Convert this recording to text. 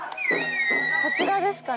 こちらですかね